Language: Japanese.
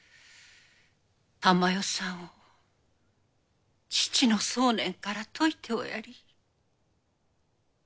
珠代さんを父の想念から解いておやり。